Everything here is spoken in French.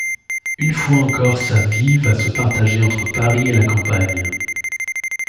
Une fois encore sa vie va se partager entre Paris et la campagne.